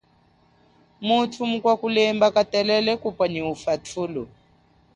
Muthu mukwa kulemba katelele kupwa nyi ufathulo.